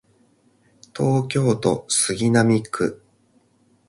東京都杉並区